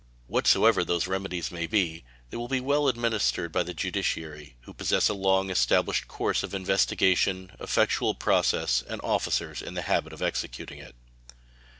Whatsoever those remedies may be, they will be well administered by the judiciary, who possess a long established course of investigation, effectual process, and officers in the habit of executing it.